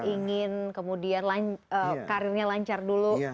ingin kemudian karirnya lancar dulu